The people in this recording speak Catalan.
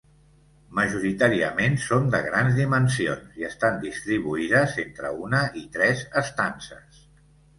Majoritàriament són de grans dimensions i estan distribuïdes entre una i tres estances.